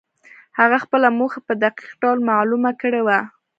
هغه خپله موخه په دقيق ډول معلومه کړې وه.